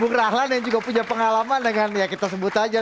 bung rahlan yang juga punya pengalaman dengan ya kita sebut aja